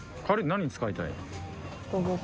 これ何に使いたいの？